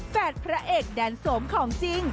พระเอกแดนสมของจริง